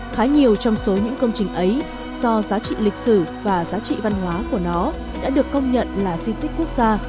khá nhiều trong số những công trình ấy do giá trị lịch sử và giá trị văn hóa của nó đã được công nhận là di tích quốc gia